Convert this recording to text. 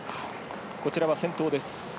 こちらは先頭です。